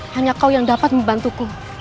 hanya kau yang dapat membantuku